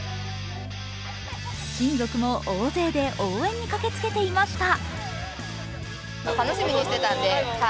親族も大勢で応援に駆けつけていました。